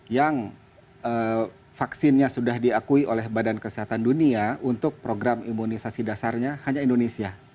yang vaksinnya sudah diakui oleh badan kesehatan dunia untuk program imunisasi dasarnya hanya indonesia